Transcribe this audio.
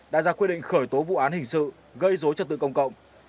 đã ra quyết định khởi tố vụ án hình sự gây dối trật tự công cộng